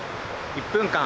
「１分間！